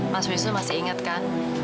mas wisnu masih ingat kan